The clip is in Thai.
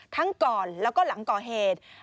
ก่อนแล้วก็หลังก่อเหตุ